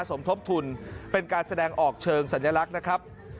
สมทบทุนเป็นการแสดงออกเชิงสัญลักษณ์นะครับ